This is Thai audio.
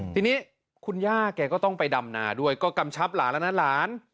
ทีนี้คุณย่าแกก็ต้องไปดำนาด้วยก็กำชับหลานแล้วนะหลาน